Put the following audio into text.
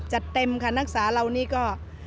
จัดเต็มค่ะนักศาเรานี่ก็